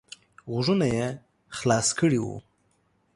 غوږونه یې خلاص کړي وو.